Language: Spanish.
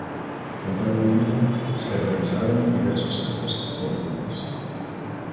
Con tal motivo, se realizaron diversos actos en todo el país.